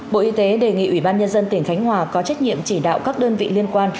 bộ y tế đề nghị ủy ban nhân dân tỉnh khánh hòa có trách nhiệm chỉ đạo các đơn vị liên quan